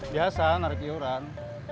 biasa narik jalan